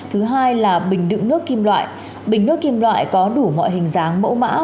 thứ hai là bình đựng nước kim loại bình nước kim loại có đủ mọi hình dáng mẫu mã